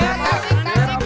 aduh aduh aduh